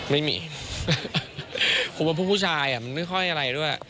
ไม่มีผมว่าพวกผู้ชายมันไม่ค่อยอะไรด้วย